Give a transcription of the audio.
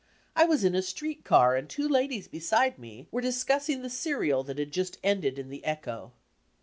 I was in a street car and two ladies beside me were discussing the serial that had just ended in the Echo.